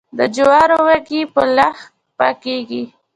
د جوارو وږي په لښک پاکیږي.